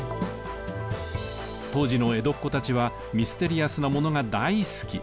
当時の江戸っ子たちはミステリアスなものが大好き。